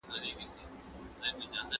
زه به تمرين کړي وي!